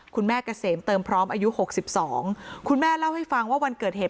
เกษมเติมพร้อมอายุหกสิบสองคุณแม่เล่าให้ฟังว่าวันเกิดเหตุ